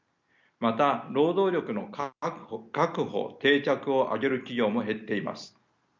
また「労働力の確保・定着」を挙げる企業も減っています。